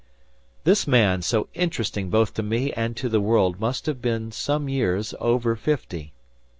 This man, so interesting both to me and to the world, must have been some years over fifty.